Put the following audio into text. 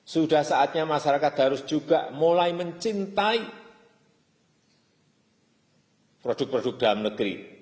sudah saatnya masyarakat harus juga mulai mencintai produk produk dalam negeri